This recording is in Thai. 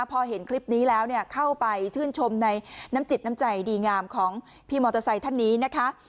พอเห็นคลิปนี้แล้วเข้าไปชื่นชมในน้ำจิตน้ำใจดีงามของพี่มอเตอร์ไซค์ท่านนี้นะคะ